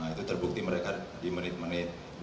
itu terbukti mereka di menit menit